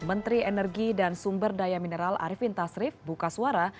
menteri energi dan sumber daya mineral arifin tasrif buka suara